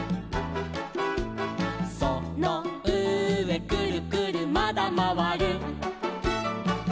「そのうえくるくるまだまわる」